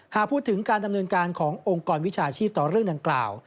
หากพูดถึงการดำเนินการขององค์กรวิชาชีพต่อเรื่องดังกล่าว